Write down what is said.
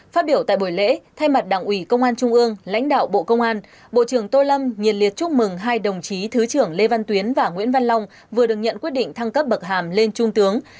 phát biểu tại buổi lễ thay mặt đảng ủy công an trung ương lãnh đạo bộ công an bộ trưởng tô lâm nhiệt liệt chúc mừng hai đồng chí thứ trưởng lê văn tuyến và nguyễn văn long vừa được nhận quyết định thăng cấp bậc hàm lên trung tướng